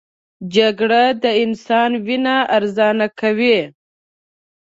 جګړه د انسان وینه ارزانه کوي